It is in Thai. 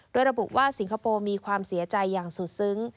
โดยระบุว่าสิงคโปร์มีความเสียใจอย่างสุดซึ้ง